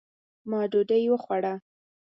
ما ډوډۍ وخوړه